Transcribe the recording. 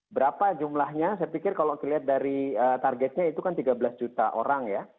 berapa jumlahnya saya pikir kalau kita lihat dari targetnya itu kan tiga belas juta orang ya